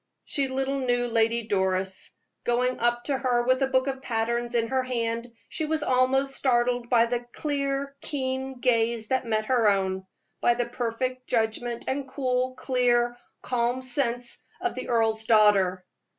She little knew Lady Doris. Going up to her with a book of patterns in her hand, she was almost startled by the clear, keen gaze that met her own by the perfect judgment and cool, clear, calm sense of the earl's daughter.